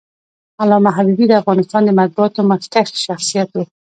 علامه حبيبي د افغانستان د مطبوعاتو مخکښ شخصیت و.